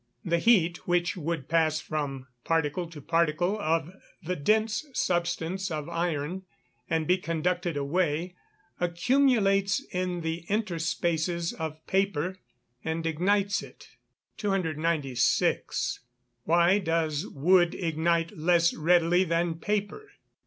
The heat which would pass from particle to particle of the dense substance of iron, and be conducted away, accumulates in the interspaces of paper, and ignites it. 296. _Why does wood ignite less readily than paper?